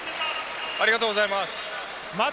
ありがとうございます。